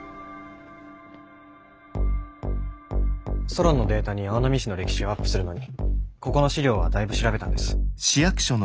ソロンのデータに青波市の歴史をアップするのにここの資料は大部調べたんです。